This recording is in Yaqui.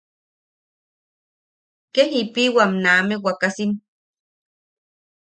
Kee jipiʼiwan name wakasim.